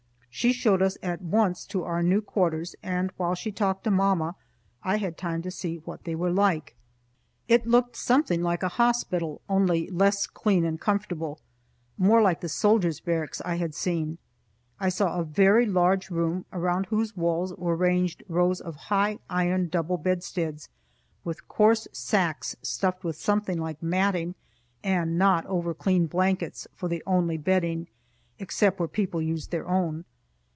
She showed us at once to our new quarters, and while she talked to mamma I had time to see what they were like. It looked something like a hospital, only less clean and comfortable; more like the soldiers' barracks I had seen. I saw a very large room, around whose walls were ranged rows of high iron double bedsteads, with coarse sacks stuffed with something like matting, and not over clean blankets for the only bedding, except where people used their own.